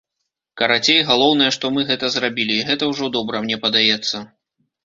Карацей, галоўнае, што мы гэта зрабілі, і гэта ўжо добра, мне падаецца.